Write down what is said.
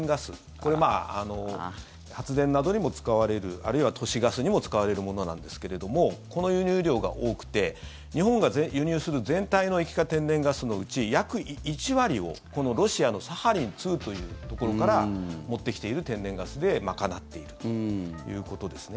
これ、発電などにも使われるあるいは都市ガスにも使われるものなんですけれどもこの輸入量が多くて日本が輸入する全体の液化天然ガスのうち約１割を、このロシアのサハリン２というところから持ってきている天然ガスで賄っているということですね。